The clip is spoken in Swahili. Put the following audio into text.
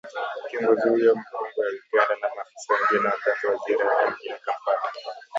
kiongozi huyo mkongwe wa Uganda na maafisa wengine wakati wa ziara yake mjini kampala